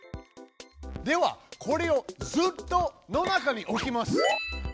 ではこれを「ずっと」の中に置きます！